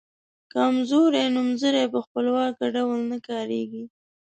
کمزوري نومځري په خپلواکه ډول نه کاریږي.